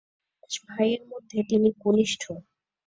পাঁচ ভাইয়ের মধ্যে তিনি কনিষ্ঠ।